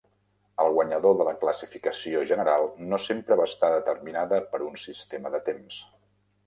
El guanyador de la classificació general no sempre va estar determinada per un sistema de temps.